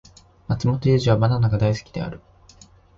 マツモトユウジはバナナが大好きである